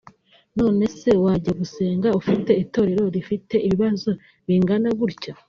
none se wajya gusenga ufite itorero rifite ibibazo bingana gutya